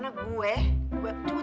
nggak lupa inget terus